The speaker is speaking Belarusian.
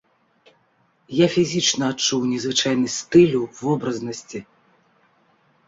Я фізічна адчуў незвычайнасць стылю, вобразнасці.